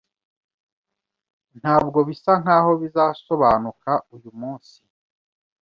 Ntabwo bisa nkaho bizasobanuka uyu munsi.